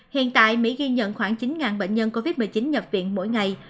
hiện tại mỹ ghi nhận khoảng chín bệnh nhân covid một mươi chín nhập viện mỗi ngày